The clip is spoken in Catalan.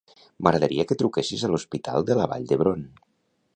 M'agradaria que truquessis a l'Hospital de la Vall d'Hebron.